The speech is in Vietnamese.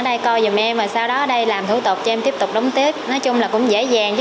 đây coi giùm em và sau đó ở đây làm thủ tục cho em tiếp tục đóng tiếp nói chung là cũng dễ dàng chứ